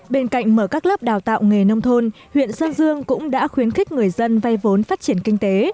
bên cạnh mở các lớp đào tạo nghề nông thôn huyện sơn dương cũng đã khuyến khích người dân vay vốn phát triển kinh tế